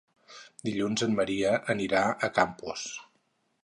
Dilluns en Maria anirà a Campos.